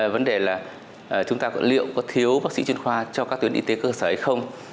vấn đề là chúng ta liệu có thiếu bác sĩ chuyên khoa cho các tuyến y tế cơ sở hay không